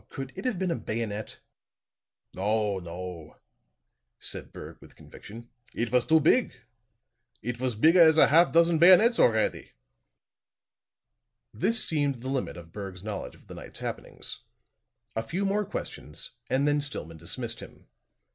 Could it have been a bayonet?" "No, no," said Berg with conviction. "It vos too big. It vos bigger as a half dozen bayonets already." This seemed the limit of Berg's knowledge of the night's happenings; a few more questions and then Stillman dismissed him.